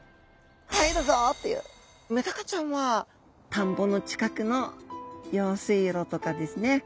メダカちゃんは田んぼの近くの用水路とかですね